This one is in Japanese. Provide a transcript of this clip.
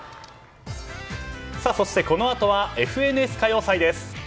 そして、このあとは「ＦＮＳ歌謡祭」です。